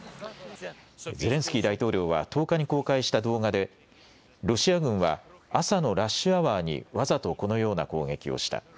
ゼレンスキー大統領は１０日に公開した動画で、ロシア軍は朝のラッシュアワーにわざとこのような攻撃をした。